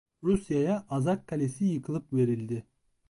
Rusya'ya Azak Kalesi yıkılıp verildi.